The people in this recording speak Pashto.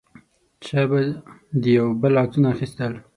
چا به د یو بل عکسونه اخیستل.